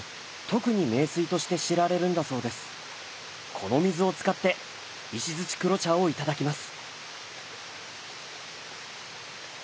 この水を使って石黒茶を頂きます。